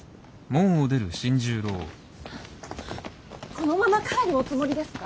このまま帰るおつもりですか？